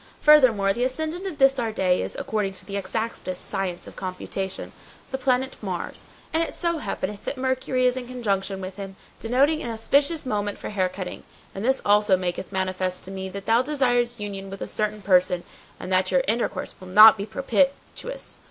Furthermore the ascendant of this our day is, according to the exactest science of computation, the planet Mars; and it so happeneth that Mercury is in conjunction with him, denoting an auspicious moment for hair cutting; and this also maketh manifest to me that thou desires union with a certain person and that your intercourse will not be propitious.